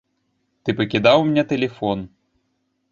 Ты пакідаў мне тэлефон.